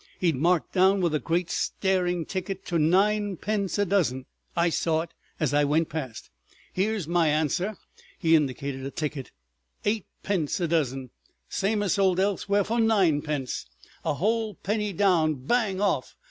He'd marked down with a great staring ticket to ninepence a dozen—I saw it as I went past. Here's my answer!" He indicated a ticket. "'Eightpence a dozen—same as sold elsewhere for ninepence.' A whole penny down, bang off!